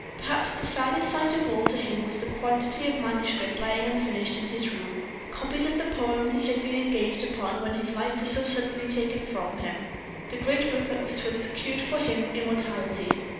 Perhaps the saddest sight of all to him was the quantity of manuscript lying unfinished in his room copies of the poems he had been engaged upon when his life was so suddenly taken from him the great work that was to have secured for him immortality.